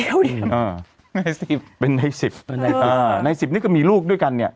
เดี๋ยวดิอ่าในสิบเป็นในสิบอ่าในสิบนี้ก็มีลูกด้วยกันเนี้ย